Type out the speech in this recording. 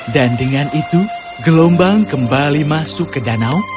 dan dengan itu gelombang kembali masuk ke danau